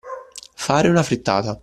Fare una frittata.